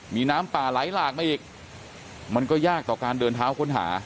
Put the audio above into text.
มีน้ำป่าไหลหลากมาอีกมันก็ยากต่อการเดินเท้าค้นหา